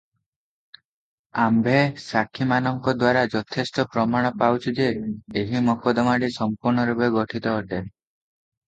ଆମ୍ଭେ ସାକ୍ଷୀମାନଙ୍କ ଦ୍ୱାରା ଯଥେଷ୍ଟ ପ୍ରମାଣ ପାଉଛୁ ଯେ, ଏହି ମକଦ୍ଦମାଟି ସଂପୂର୍ଣ୍ଣରୂପେ ଗଠିତ ଅଟେ ।